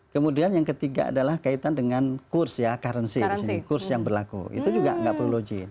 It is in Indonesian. kemudian yang ketiga adalah kaitan dengan kurs ya currency di sini kurs yang berlaku itu juga nggak perlu login